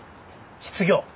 失業。